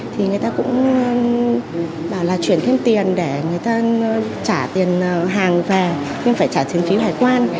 thì người ta cũng bảo là chuyển thêm tiền để người ta trả tiền hàng về nhưng phải trả chiến phí hải quan